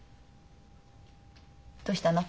どうしたの？